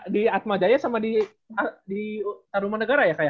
di atmajaya sama di taruman negara ya kak ya